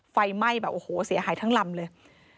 ไฟไหม้แบบโอ้โหเสียหายทั้งลำเลย